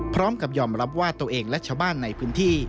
พร้อมกับยอมรับว่าตัวเองและชาวบ้านในพื้นที่